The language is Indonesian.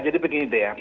jadi begini deh ya